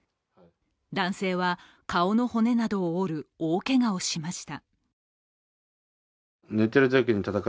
男性は顔の骨などを折る大けがをしました。